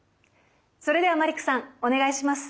それではマリックさんお願いします。